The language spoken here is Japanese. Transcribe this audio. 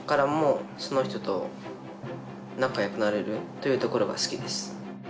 というところが好きです。